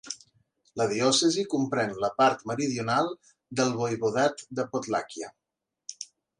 La diòcesi comprèn la part meridional del voivodat de Podlàquia.